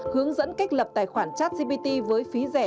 hướng dẫn cách lập tài khoản chát cpt với phí giá